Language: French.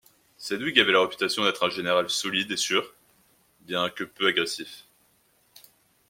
Sedgwick avait la réputation d'être un général solide et sûr bien que peu agressif.